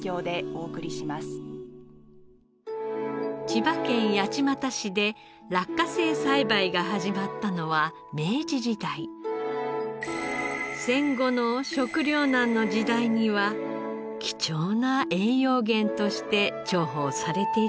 千葉県八街市で落花生栽培が始まったのは戦後の食糧難の時代には貴重な栄養源として重宝されていたといいます。